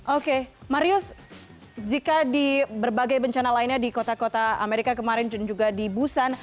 oke marius jika di berbagai bencana lainnya di kota kota amerika kemarin dan juga di busan